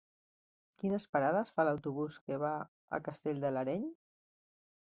Quines parades fa l'autobús que va a Castell de l'Areny?